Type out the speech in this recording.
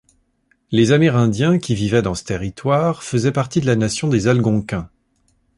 Les Amérindiens qui vivaient dans ce territoire faisaient partie de la Nation des Algonquins.